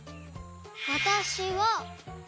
「わたしは」